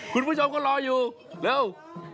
คุณผู้ชมก็รออยู่เร็ว